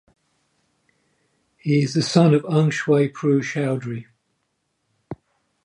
He is the son of Aung Shwe Prue Chowdhury.